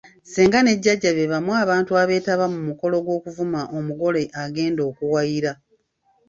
Ssenga ne Jjajja beebamu abantu abeetaba mu mukolo gw'okuvuma omugole agenda akuwayira.